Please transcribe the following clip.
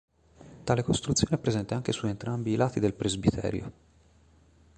Tale costruzione è presente anche su entrambi i lati del presbiterio.